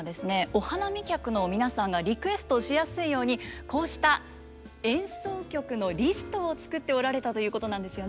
お花見客の皆さんがリクエストしやすいようにこうした演奏曲のリストを作っておられたということなんですよね。